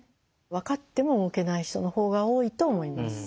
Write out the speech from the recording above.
分かっても動けない人のほうが多いと思います。